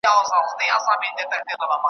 که ډاډه شوو چې